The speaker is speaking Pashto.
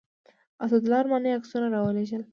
اسدالله ارماني عکسونه راولېږل.